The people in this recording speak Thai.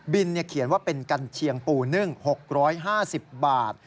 เขียนว่าเป็นกัญเชียงปูนึ่ง๖๕๐บาท